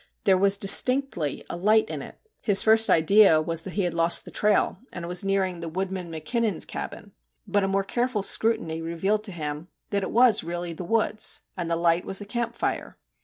There was distinctly a light in it. His first idea was that he had lost the trail and was nearing the woodman Mackinnon's cabin. But a more careful scrutiny revealed to him that it was really the woods, and the light was a camp fire.